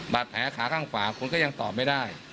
บาดแผลขาข้างขวาคุณก็ยังตอบไม่ได้